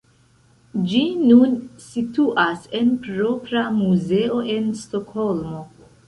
Ĝi nun situas en propra muzeo en Stokholmo.